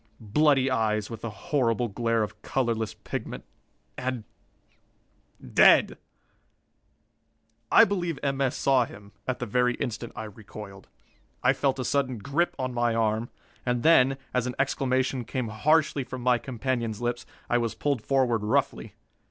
Bloody eyes, with a horrible glare of colorless pigment. And dead. I believe M. S. saw him at the very instant I recoiled. I felt a sudden grip on my arm; and then, as an exclamation came harshly from my companion's lips, I was pulled forward roughly.